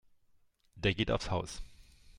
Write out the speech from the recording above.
Der geht aufs Haus.